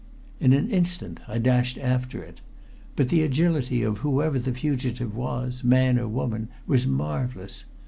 In an instant I dashed after it. But the agility of whoever the fugitive was, man or woman, was marvelous.